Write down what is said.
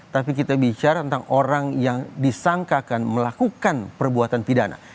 tapi kita bicara tentang orang yang disangkakan melakukan perbuatan pidana